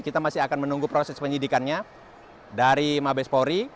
kita masih akan menunggu proses penyidikannya dari mabes polri